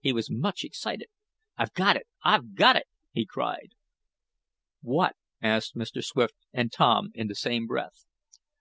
He was much excited. "I've got it! I've got it!" he cried. "What?" asked Mr. Swift and Tom in the same breath.